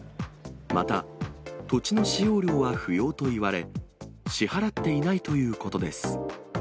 また土地の使用料は不要と言われ、支払っていないということです。